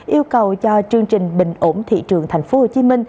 yêu cầu cho chương trình bình ổn thị trường tp hcm